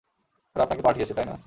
ওরা আপনাকে পাঠিয়েছে, তাই না?